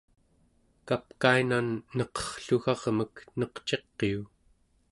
kapkainan neqerrluggarmek neqciqiu!